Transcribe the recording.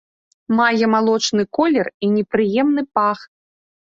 Мае малочны колер і непрыемны пах.